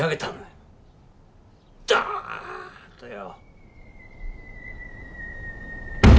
ドーン！とよ。